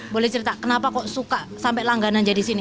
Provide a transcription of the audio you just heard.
boleh cerita kenapa kok suka sampai langganan jadi sini